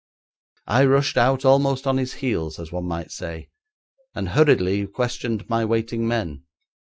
I rushed out almost on his heels, as one might say, and hurriedly questioned my waiting men.